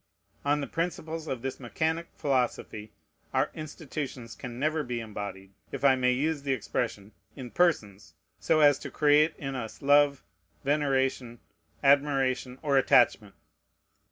On the principles of this mechanic philosophy, our institutions can never be embodied, if I may use the expression, in persons, so as to create in us love, veneration, admiration, or attachment.